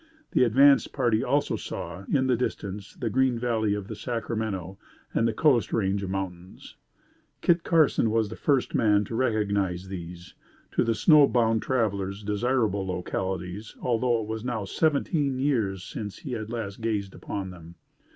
The advance party also saw, in the distance, the green valley of the Sacramento and the coast range of mountains. Kit Carson was the first man to recognize these, to the snow bound travelers, desirable localities, although it was now seventeen years since he had last gazed upon them.